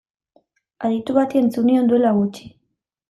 Aditu bati entzun nion duela gutxi.